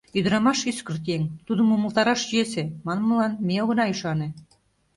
«Ӱдырамаш — ӱскырт еҥ, тудым умылтараш йӧсӧ» манмылан ме огына ӱшане.